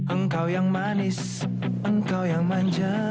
aneh liat mundar mandir mundar mandir